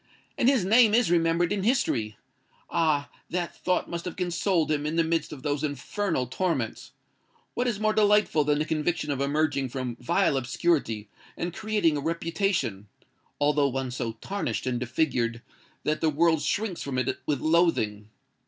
And his name is remembered in history! Ah! that thought must have consoled him in the midst of those infernal torments. What is more delightful than the conviction of emerging from vile obscurity, and creating a reputation—although one so tarnished and disfigured that the world shrinks from it with loathing?